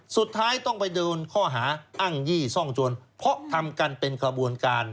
สุดท้ายต้องไปโดนข้อหาอ้างยี่ซ่องโจรเพราะทำกันเป็นขบวนการ